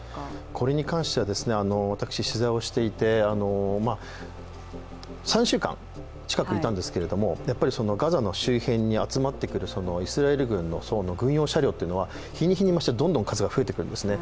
これに関しては、私、取材をしていて３週間近くいたんですがガザの周辺に集まってくるイスラエル軍の軍用車両というのは日に日にどんどん数が増えてくんですね。